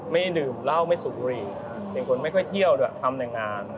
ไม่ดื่มเหล้าไม่สุริเป็นคนไม่ค่อยเที่ยวด้วยความในงาน